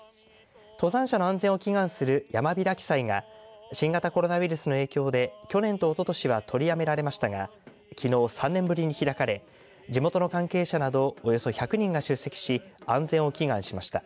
登山者の安全を祈願する山開き祭が新型コロナウイルスの影響で去年とおととしは取りやめられましたがきのう３年ぶりに開かれ地元の関係者などおよそ１００人が出席し安全を祈願しました。